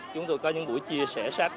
chúng tôi có những buổi chia sẻ sách